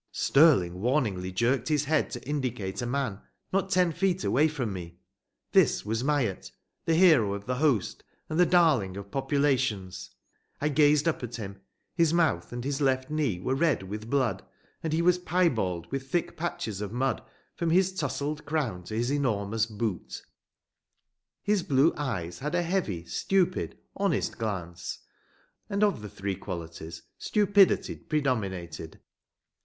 Stirling warningly jerked his head to indicate a man not ten feet away from me. This was Myatt, the hero of the host and the darling of populations. I gazed up at him. His mouth and his left knee were red with blood, and he was piebald with thick patches of mud from his tousled crown to his enormous boot. His blue eyes had a heavy, stupid, honest glance; and of the three qualities stupidity predominated.